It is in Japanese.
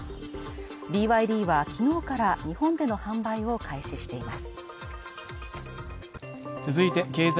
ＢＹＤは昨日から日本での販売を開始しています